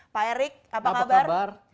pak erik apa kabar